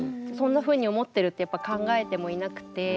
そんなふうに思ってるってやっぱ考えてもいなくて。